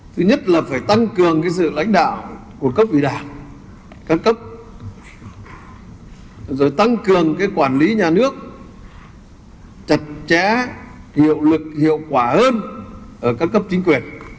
của cấp vị đảng các cấp rồi tăng cường cái quản lý nhà nước chặt chẽ hiệu lực hiệu quả hơn ở các cấp chính quyền